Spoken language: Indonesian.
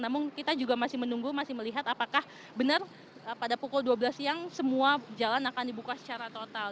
namun kita juga masih menunggu masih melihat apakah benar pada pukul dua belas siang semua jalan akan dibuka secara total